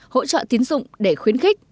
hỗ trợ tiến dụng để khuyến khích